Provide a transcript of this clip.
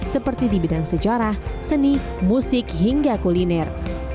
seperti di bidang sejarah seni musik hingga kuliner